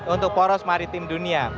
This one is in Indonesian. untuk poros maritim dunia